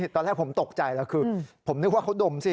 ตอนแรกผมตกใจแล้วคือผมนึกว่าเขาดมสิ